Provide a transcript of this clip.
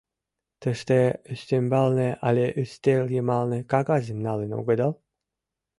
Тыште, ӱстембалне, але ӱстел йымалне кагазым налын огыдал?